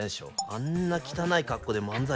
あんな汚い格好で漫才。